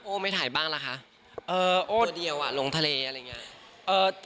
โอ้ไม่ถ่ายบ้างละคะตัวเดียวลงทะเลอะไรอย่างนี้